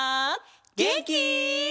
げんき？